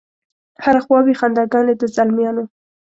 هره خوا وي خنداګانې د زلمیانو